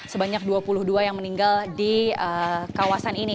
sebanyak dua puluh dua yang meninggal di kawasan ini